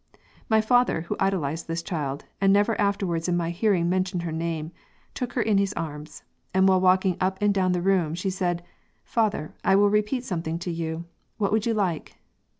My father, who idolized this child, and never afterwards in my hearing mentioned her name, took her in his arms; and while walking up and down the room, she said, 'Father, I will repeat something to you; what would you like?'